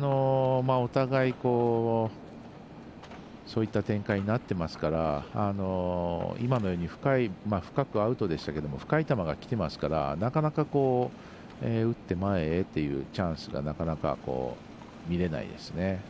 お互い、そういった展開になってますから今のように深くアウトでしたけど深い球がきていますからなかなか打って前へというチャンスが見れないですね。